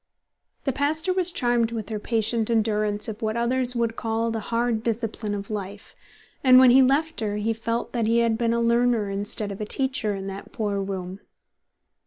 The pastor was charmed with her patient endurance of what others would call the hard discipline of life, and when he left her he felt that he had been a learner instead of a teacher in that poor room.